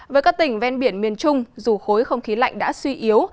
với các tỉnh ven biển miền trung dù khối không khí lạnh đã suy yếu